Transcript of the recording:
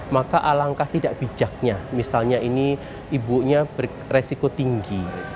maka alangkah tidak bijaknya misalnya ini ibunya beresiko tinggi